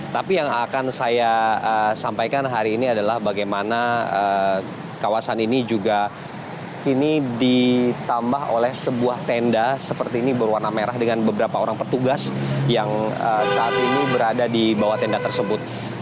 tapi yang akan saya sampaikan hari ini adalah bagaimana kawasan ini juga kini ditambah oleh sebuah tenda seperti ini berwarna merah dengan beberapa orang petugas yang saat ini berada di bawah tenda tersebut